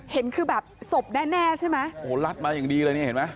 เห็นคือแบบศพแน่แน่ใช่ไหมโอ้โหรัดมาอย่างดีเลยนี่เห็นไหม